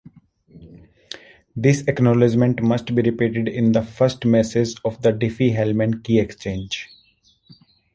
This acknowledgement must be repeated in the first message of the Diffie-Hellman key exchange.